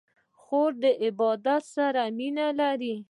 خور د عبادت سره مینه لري.